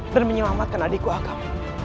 dan menyelamatkan adikku agam